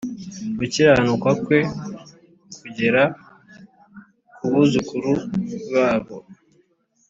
Gukiranuka kwe kugera ku buzukuru babo